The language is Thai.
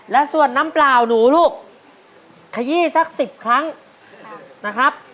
และส่วนน้ำเปล่าหนูลูกขยี้สัก๑๐ครั้งนะครับ